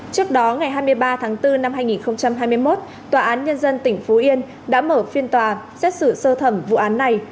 trước đó ngày hai mươi ba tháng bốn năm hai nghìn hai mươi một tòa án nhân dân tỉnh phú yên đã mở phiên tòa xét xử sơ thẩm vụ án này